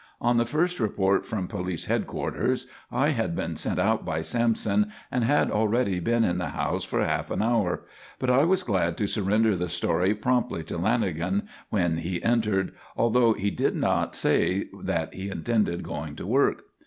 On the first report from police headquarters I had been sent out by Sampson and had already been in the house for half an hour. But I was glad to surrender the story promptly to Lanagan when he entered, although he did not then say that he intended going to work.